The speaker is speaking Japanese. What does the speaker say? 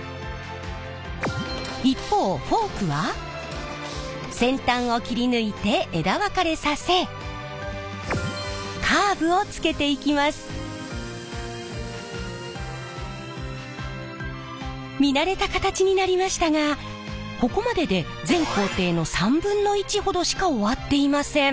一方フォークは先端を切り抜いて見慣れた形になりましたがここまでで全工程の３分の１ほどしか終わっていません。